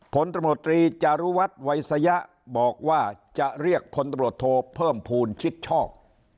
ผลตำรวจตรีจารุวัฒน์วัยสยะบอกว่าจะเรียกพลตำรวจโทเพิ่มภูมิคิดชอบ